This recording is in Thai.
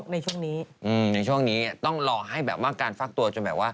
ในช่วงนี้ต้องลองให้แบบว่าการฟักตัว